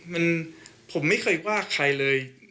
มันผมไม่เคยว่าใครเลย